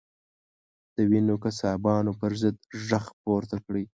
د وینو قصابانو پر ضد غږ پورته کړئ.